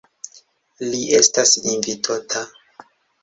Li estas invitota.